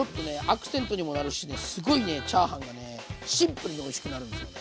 アクセントにもなるしねすごいねチャーハンがシンプルにおいしくなるんですよ。